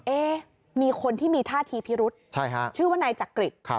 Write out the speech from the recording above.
เอ๊ะมีคนที่มีท่าทีพิรุษชื่อว่านายจักริต